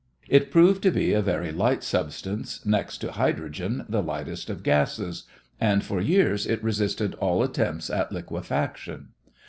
It proved to be a very light substance, next to hydrogen the lightest of gases, and for years it resisted all attempts at liquefaction.